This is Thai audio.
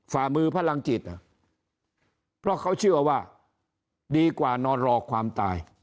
ฝ่ามือพลังจิตเพราะเขาเชื่อว่าดีกว่านอนรอความตาย